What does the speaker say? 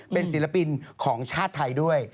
เป็นศิลปินของชาติไทยด้วย